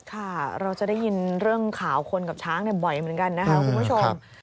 ค่ะเราจะได้ยินเรื่องข่าวคนกับช้างบ่อยเหมือนกันนะคะคุณผู้ชม